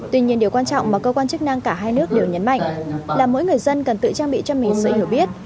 tuy nhiên điều quan trọng mà cơ quan chức năng cả hai nước đều nhấn mạnh là mỗi người dân cần tự trang bị cho mình sự hiểu biết